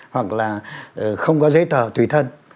hoặc là không có giấy tờ tùy thân